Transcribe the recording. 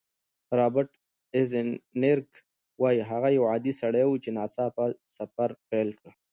رابرټ ایزنبرګ وايي، هغه یو عادي سړی و چې ناڅاپه سفر پیل کړ.